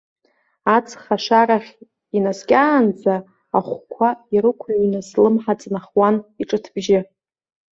Аҵх ашарахь инаскьаанӡа, ахәқәа ирықәыҩны, слымҳа ҵнахуан иҿыҭбжьы.